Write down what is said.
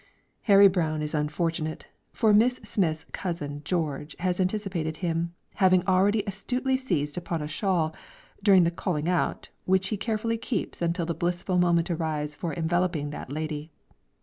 Harry Brown is unfortunate, for Miss Smith's cousin George has anticipated him, having already astutely seized upon a shawl, during the "calling out" which he carefully keeps until the blissful moment arrives for enveloping that lady.